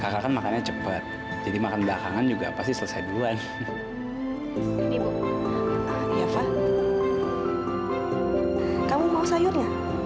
sampai jumpa di video selanjutnya